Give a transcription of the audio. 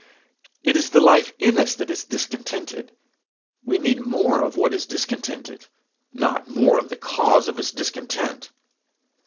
It is the life in us that is discontented; we need more of what is discontented, not more of the cause of its discontent.